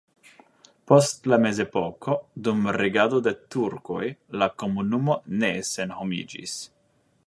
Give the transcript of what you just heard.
Post la mezepoko dum regado de turkoj la komunumo ne senhomiĝis.